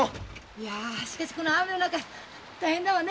いやしかしこの雨の中大変だわね。